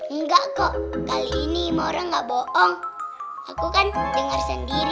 enggak kok kali ini orang gak bohong aku kan dengar sendiri